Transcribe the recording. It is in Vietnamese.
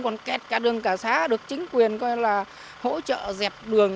còn kẹt cả đường cả xã được chính quyền coi là hỗ trợ dẹp đường